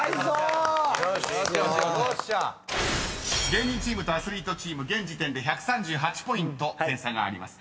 ［芸人チームとアスリートチーム現時点で１３８ポイント点差があります。